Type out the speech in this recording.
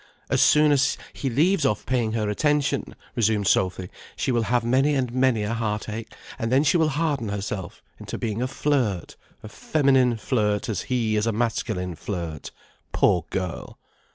"As soon as he leaves off paying her attention," resumed Sophy, "she will have many and many a heart ache, and then she will harden herself into being a flirt, a feminine flirt, as he is a masculine flirt. Poor girl!"